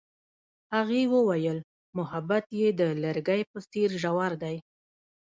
هغې وویل محبت یې د لرګی په څېر ژور دی.